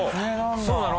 そうなの？